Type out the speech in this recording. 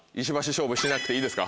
勝負しなくていいですか？